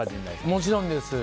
もちろんです。